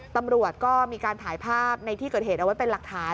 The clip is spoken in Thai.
ตำรวจก็มีการถ่ายภาพในที่เกิดเหตุเอาไว้เป็นหลักฐาน